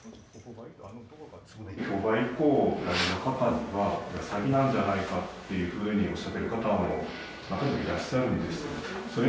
競売以降お入りの方にはこれは詐欺なんじゃないかっていうふうにおっしゃっている方も中にはいらっしゃるんですけどそれ